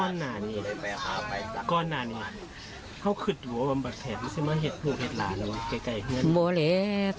ร้านของรัก